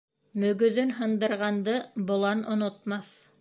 Мөгөҙөн һындырғанды болан онотмаҫ